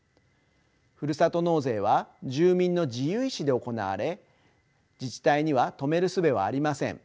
ふるさと納税は住民の自由意志で行われ自治体には止めるすべはありません。